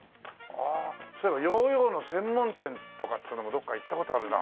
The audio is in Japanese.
そういえばヨーヨーの専門店とかっていうのもどっか行った事あるな。